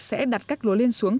sẽ đặt các lối lên xuống